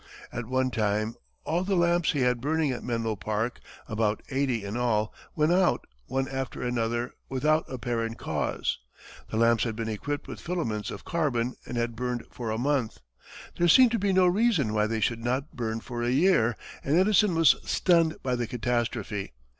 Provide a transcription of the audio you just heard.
At one time, all the lamps he had burning at Menlo Park, about eighty in all, went out, one after another, without apparent cause. The lamps had been equipped with filaments of carbon and had burned for a month. There seemed to be no reason why they should not burn for a year, and Edison was stunned by the catastrophe.